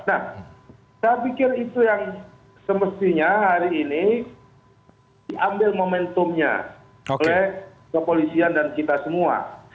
nah saya pikir itu yang semestinya hari ini diambil momentumnya oleh kepolisian dan kita semua